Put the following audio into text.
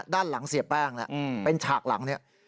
ด้านหลังเสียแป้งแหละเป็นฉากหลังเนี่ย